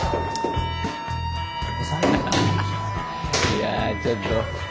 いやぁちょっと。